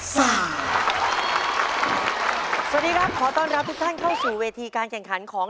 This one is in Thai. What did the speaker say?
สวัสดีครับขอต้อนรับทุกท่านเข้าสู่เวทีการแข่งขันของ